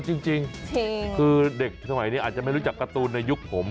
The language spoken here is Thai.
จริงคือเด็กสมัยนี้อาจจะไม่รู้จักการ์ตูนในยุคผม